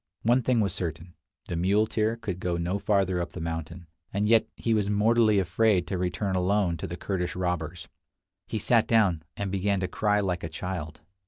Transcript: One thing was certain, the muleteer could go no farther up the mountain, and yet he was mortally afraid to return alone to the Kurdish robbers. He sat down, and began to cry like a child.